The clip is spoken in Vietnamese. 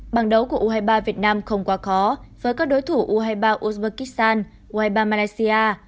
bằng đấu của u hai mươi ba việt nam không quá khó với các đối thủ u hai mươi ba uzbekistan u hai mươi ba malaysia